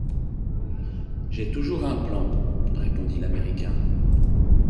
J’ai toujours un plan, répondit l’Américain.